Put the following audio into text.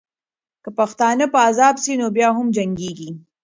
که پښتانه په عذاب سي، نو بیا هم جنګېږي.